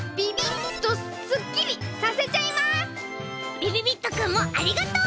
びびびっとくんもありがとう！